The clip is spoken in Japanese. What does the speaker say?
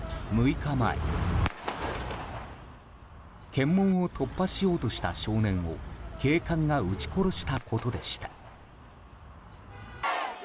検問を突破しようとした少年を警官が撃ち殺したことでした。